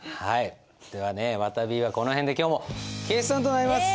ではねわたびはこの辺で今日も決算となります。